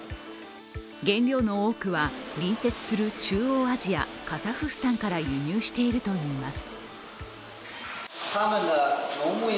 原料の多くは隣接する中央アジアカザフスタンから輸入しているといいます。